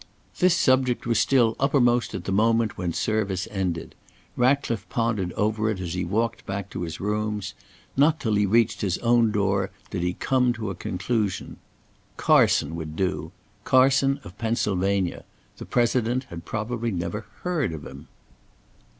This subject was still uppermost at the moment when service ended. Ratcliffe pondered over it as he walked back to his rooms. Not until he reached his own door did he come to a conclusion: Carson would do; Carson of Pennsylvania; the President had probably never heard of him.